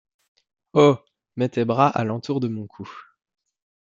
Oh! mets tes bras à l’entour de mon cou !